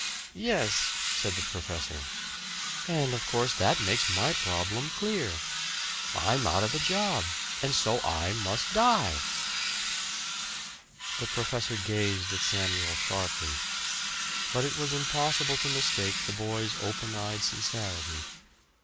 "Er yes," said the professor. "And, of course, that makes my problem clear I'm out of a job, and so I must die." The professor gazed at Samuel sharply. But it was impossible to mistake the boy's open eyed sincerity.